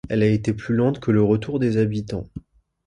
Elle a été plus lente que le retour des habitants.